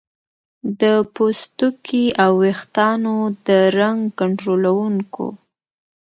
د پوستکي او ویښتانو د رنګ کنټرولونکو